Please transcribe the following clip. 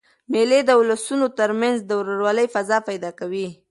مېلې د اولسونو تر منځ د ورورولۍ فضا پیدا کوي.